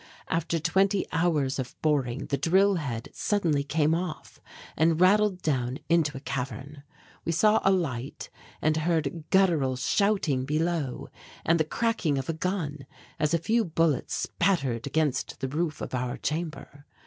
After twenty hours of boring, the drill head suddenly came off and rattled down into a cavern. We saw a light and heard guttural shouting below and the cracking of a gun as a few bullets spattered against the roof of our chamber.